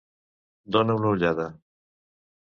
Donar una ullada.